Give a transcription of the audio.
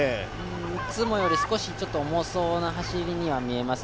いつもより重そうな走りに見えますね。